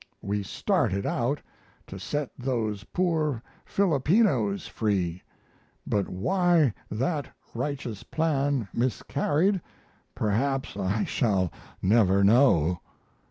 We started out to set those poor Filipinos free, but why that righteous plan miscarried perhaps I shall never know.